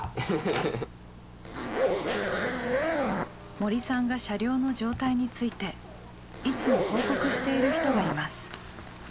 森さんが車両の状態についていつも報告している人がいます。